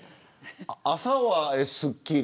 朝は、スッキリ。